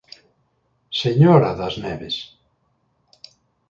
Señora das Neves!